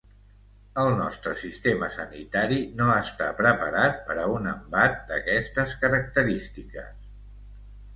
El nostre sistema sanitari no està preparat per a un embat d’aquestes característiques.